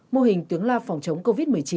mô hình tuyến loa phòng chống covid một mươi chín